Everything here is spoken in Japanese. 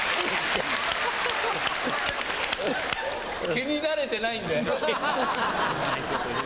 毛に慣れてないんだよ。